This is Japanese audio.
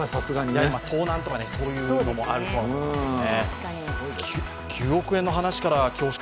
盗難とか、そういうのもあるとは思うんですけどね。